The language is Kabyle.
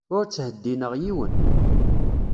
Ur ttheddineɣ yiwen.